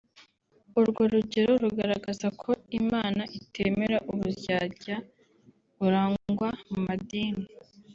Urwo rugero rugaragaza ko Imana itemera uburyarya burangwa mu madini